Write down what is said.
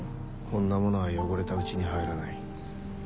こんなものは汚れたうちに入らない。